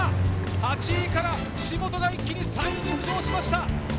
８位から、岸本が一気に３位に浮上しました。